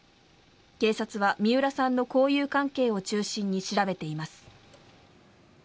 警察は三浦さんの交友関係を中心に調べています。